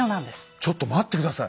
ちょっと待って下さい。